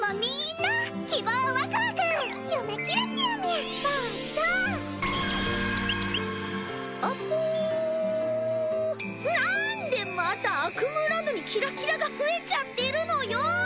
なんでまたアクムーランドにキラキラが増えちゃってるのよ！